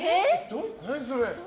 何それ？